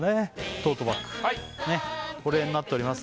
トートバッグ保冷になっております